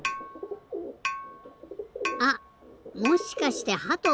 あっもしかしてハト？